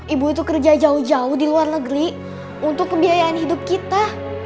ibu itu kerja jauh jauh di luar negeri untuk pembiayaan hidup kita